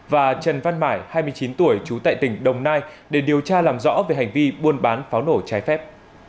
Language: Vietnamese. và trần văn mải hai mươi chín tuổi trú tại tỉnh đồng nai để điều tra làm rõ về hành vi buôn bán pháo nổ trái phép